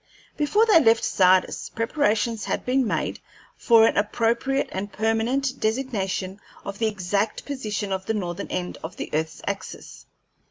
Before they left Sardis, preparations had been made for an appropriate and permanent designation of the exact position of the northern end of the earth's axis.